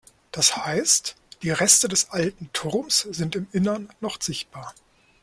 Das heisst: die Reste des alten Turms sind im Innern noch sichtbar.